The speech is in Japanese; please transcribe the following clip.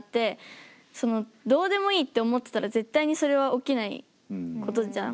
そのどうでもいいって思ってたら絶対にそれは起きないことじゃん。